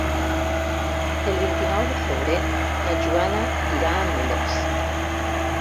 El vint-i-nou de febrer na Joana irà a Nules.